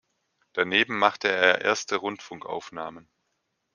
Daneben machte er erste Rundfunkaufnahmen.